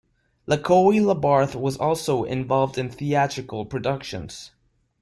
Lacoue-Labarthe was also involved in theatrical productions.